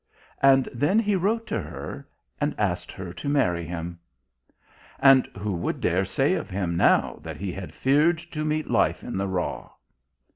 And then he wrote to her, and asked her to marry him. And who would dare say of him now that he had feared to meet life in the raw?